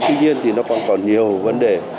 tuy nhiên thì nó còn còn nhiều vấn đề